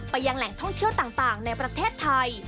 ยังแหล่งท่องเที่ยวต่างในประเทศไทย